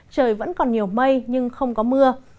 trời vẫn còn nhiều mây nhưng không có mưa